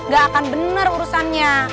gak akan bener urusannya